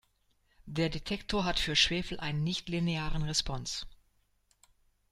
Der Detektor hat für Schwefel einen nicht-linearen Response.